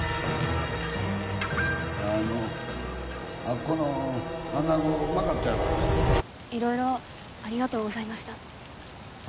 あのあっこのアナゴうまかったやろ色々ありがとうございましたあ